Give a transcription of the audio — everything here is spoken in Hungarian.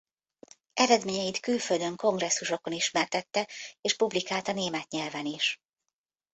Eredményeit külföldön kongresszusokon ismertette és publikálta német nyelven is.